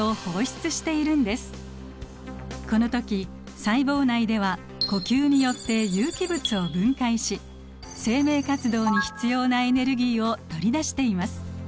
この時細胞内では呼吸によって有機物を分解し生命活動に必要なエネルギーを取り出しています。